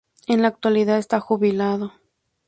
En la actualidad está jubilado.